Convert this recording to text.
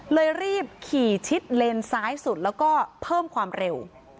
เลยรีบขี่ชิดเลนซ้ายสุดแล้วก็เพิ่มความเร็ว